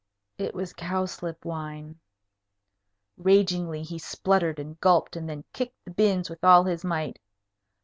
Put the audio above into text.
It was cowslip wine. Ragingly he spluttered and gulped, and then kicked the bins with all his might.